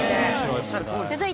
おっしゃるとおり。